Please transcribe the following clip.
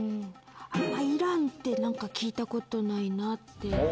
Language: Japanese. あんまイランって聞いたことないなって。